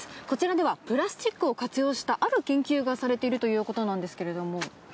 こちらではプラスチックを活用したある研究がされているということなんですけども。